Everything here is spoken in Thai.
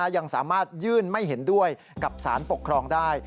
ยังสามารถยื่นไม่เห็นด้วยกับสารปกครองได้